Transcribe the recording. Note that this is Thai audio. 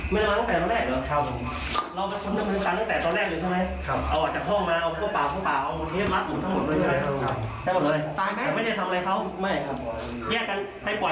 ไม่ได้ทำอะไรเลย